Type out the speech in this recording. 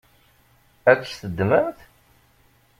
Ad tt-teddmemt?